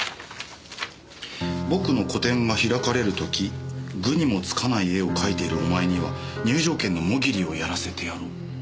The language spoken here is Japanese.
「僕の個展が開かれるとき愚にもつかない絵を描いているお前には入場券のモギリをやらせてやろう」。